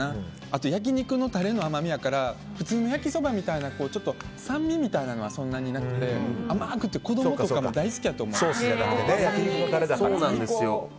あと焼き肉のタレの甘みやから普通の焼きそばみたいな酸味みたいなのはそんなになくて甘くて子供とかも大好きやと思う。